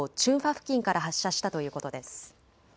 付近から発射したということです。